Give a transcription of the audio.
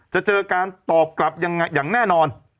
จะเจอการตอบกลับอย่างแน่นอน